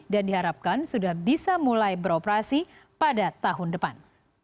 dan diharapkan sudah bisa mulai beroperasi pada tahun depan